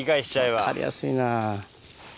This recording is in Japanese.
分かりやすいな。